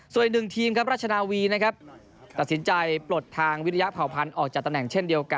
ส่วนอีกหนึ่งทีมรัชนาวีตัดสินใจปลดทางวิทยาภาพภัณฑ์ออกจากตะแหน่งเช่นเดียวกัน